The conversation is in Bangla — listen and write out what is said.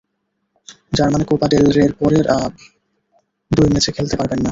যার মানে কোপা ডেল রের পরের দুই ম্যাচে খেলতে পারবেন না।